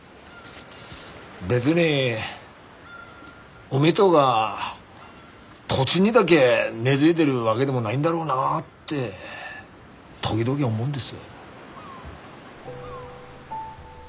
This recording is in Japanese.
別に海とが土地にだげ根づいでるわげでもないんだろうなって時々思うんです。